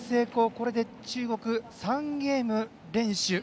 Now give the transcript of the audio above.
これで中国、３ゲーム連取。